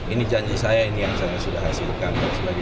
ini janji saya ini yang saya sudah hasilkan